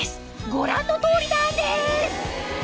ご覧の通りなんです！